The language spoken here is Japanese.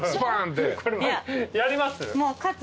やります？